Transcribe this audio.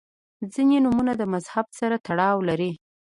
• ځینې نومونه د مذهب سره تړاو لري.